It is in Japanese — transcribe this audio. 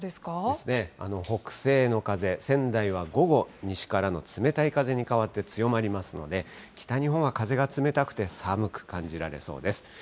北西の風、仙台は午後、西からの冷たい風に変わって、強まりますので、北日本は風が冷たくて寒く感じられそうです。